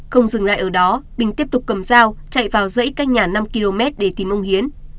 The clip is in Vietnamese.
không dừng lại ở đó bình tiếp tục cầm dao chạy vào dãy cách nhà năm km để tìm ông hiến